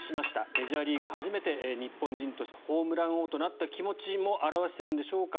メジャーリーグ初めて日本人としてホームラン王となった気持ちも表しているんでしょうか。